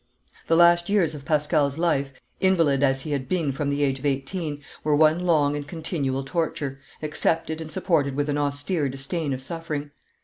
The last years of Pascal's life, invalid as he had been from the age of eighteen, were one long and continual torture, accepted and supported with an austere disdain of suffering.